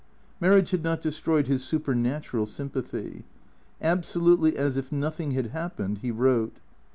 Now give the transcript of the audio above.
Marriage had not destroyed his super natural sympathy. Absolutely as if nothing had happened, he wrote.